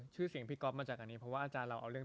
ชื่อเสียงพี่ก๊อฟมาจากอันนี้เพราะว่าอาจารย์เราเอาเรื่อง